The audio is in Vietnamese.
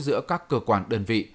giữa các cơ quan đơn vị